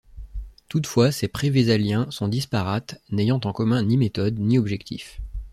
Toutefois, ces pré-vésaliens sont disparates, n'ayant en commun ni méthode, ni objectif.